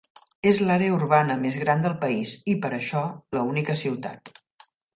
És l"àrea urbana més gran del país i, per això, la única ciutat.